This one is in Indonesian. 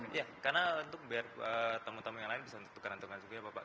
iya karena untuk biar teman teman yang lain bisa untuk tukaran tukaran suku ya bapak